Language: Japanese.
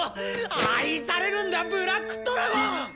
愛されるんだブラックトラゴン！